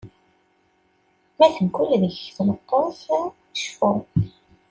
Ma teggul deg-k tmeṭṭut, cfu.